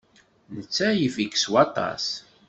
Netta yif-ik s waṭas.